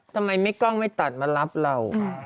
ทำไมไม่กล้องไม่ตัดมารับเรา